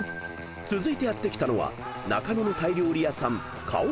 ［続いてやって来たのは中野のタイ料理屋さん］